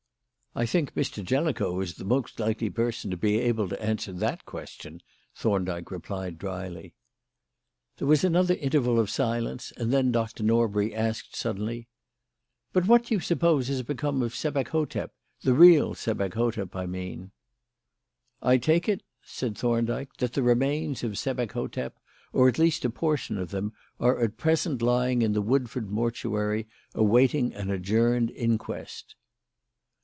"I think Mr. Jellicoe is the most likely person to be able to answer that question," Thorndyke replied drily. There was another interval of silence, and then Dr. Norbury asked suddenly: "But what do you suppose has become of Sebek hotep? The real Sebek hotep, I mean?" "I take it," said Thorndyke, "that the remains of Sebek hotep, or at least a portion of them, are at present lying in the Woodford mortuary awaiting an adjourned inquest."